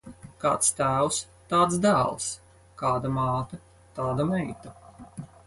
Kāds tēvs, tāds dēls; kāda māte, tāda meita.